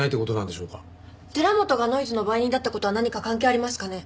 寺本がノイズの売人だった事は何か関係ありますかね？